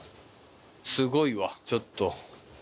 すごいわちょっと。